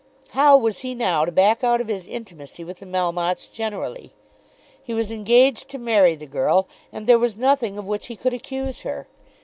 How was he now to back out of his intimacy with the Melmottes generally? He was engaged to marry the girl, and there was nothing of which he could accuse her.